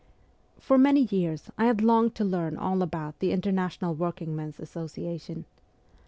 For many years I had longed to learn all about the International Workingmen's Association.